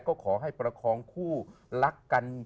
ก็ขอให้ประคองคู่รักกัน